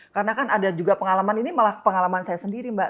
karena kan ada juga pengalaman ini malah pengalaman saya sendiri mbak